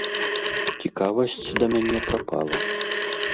Цікавасць да мяне прапала.